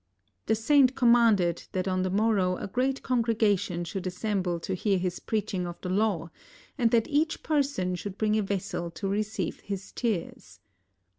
The saint commanded that on the morrow a great congregation should assemble to hear his preaching of the Law, and that each person should bring a vessel to receive his tears.